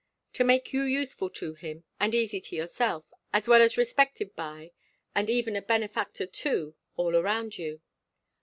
To make you useful to him, and easy to yourself: as well as respected by, and even a benefactor to all around you!